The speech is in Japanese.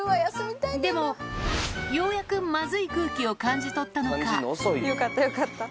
でも、ようやくまずい空気を感じ取ったのか。